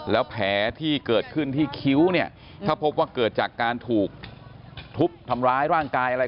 แล้วแผลที่เกิดขึ้นที่คิ้วเนี่ยถ้าพบว่าเกิดจากการถูกทุบทำร้ายร่างกายอะไร